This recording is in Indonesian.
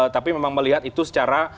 tapi memang melihat itu secara